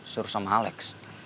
suruh sama alex